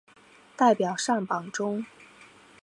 代表上榜中